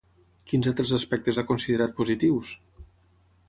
Quins altres aspectes ha considerat positius?